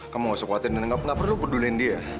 kamu gak usah khawatir dan kamu gak perlu peduliin dia